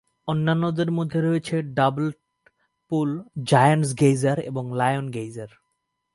অন্যান্যদের মধ্যে রয়েছে ডাবলট পুল, জায়ান্টস গেইসার এবং লায়ন গেইসার।